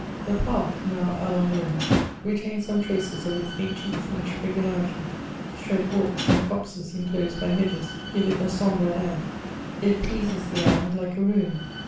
The park, now d, VAngVnsey retains some traces of its ancient French regularity : straight walks, and copses inclosed by hedges, give it a sombre air ; it pleases the eye like a ruin.